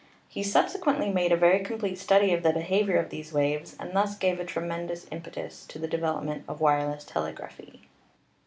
He subsequently made a very complete study of the behavior of these waves and thus gave a tremendous impetus to the development of wireless telegraphy.